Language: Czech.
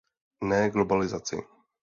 Ne globalizaci!